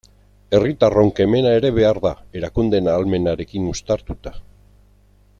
Herritarron kemena ere behar da, erakundeen ahalmenarekin uztartuta.